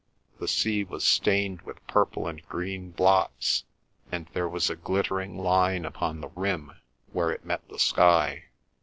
The sea was stained with purple and green blots, and there was a glittering line upon the rim where it met the sky.